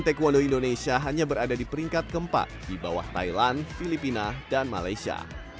taekwondo indonesia hanya berada di peringkat keempat di bawah thailand filipina dan malaysia